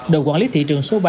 đội quản lý thị trường số ba